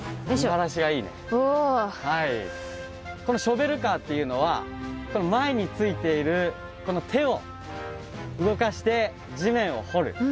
このショベルカーっていうのは前についているこの手を動かして地面を掘る。